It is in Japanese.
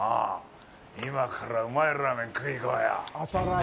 今から、うまいラーメン食いに行こうや。